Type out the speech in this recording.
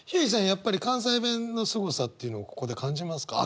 やっぱり関西弁のすごさっていうのをここで感じますか？